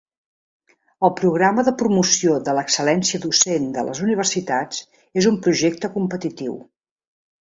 El Programa de Promoció de l'Excel·lència Docent de les Universitats és un projecte competitiu.